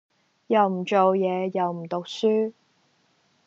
又唔做嘢又唔讀書